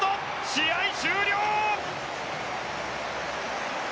試合終了！